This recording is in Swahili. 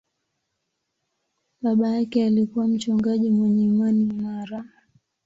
Baba yake alikuwa mchungaji mwenye imani imara.